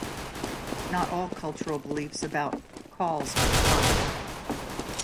Not all cultural beliefs about cauls are positive.